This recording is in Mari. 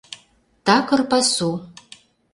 ТАКЫР ПАСУ